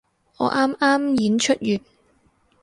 我啱啱演出完